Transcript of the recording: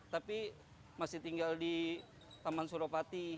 tapi masih tinggal di taman suropati